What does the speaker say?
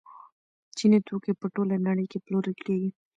چیني توکي په ټوله نړۍ کې پلورل کیږي.